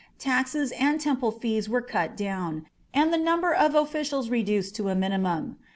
Taxes and temple fees were cut down, and the number of officials reduced to a minimum.